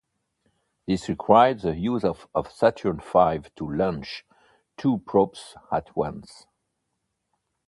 This required the use of a Saturn Five to launch two probes at once.